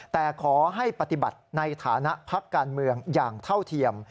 แต่ขอให้ปฏิบัติในฐานะพักการเมืองอย่างเท่าเทียม